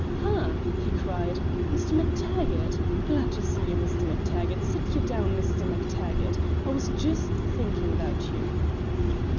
"Ha!" he cried, "Mr. MacTaggart! Glad to see you, Mr. MacTaggart. Sit ye down, Mr. MacTaggart. I was just thinking about you."